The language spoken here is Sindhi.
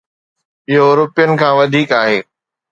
اهو روپين کان وڌيڪ آهي.